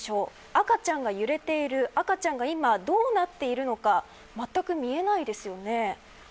赤ちゃんが揺れている赤ちゃんが今どうなっているのか全く見えないですよね。